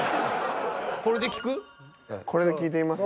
これで聞いてみますか。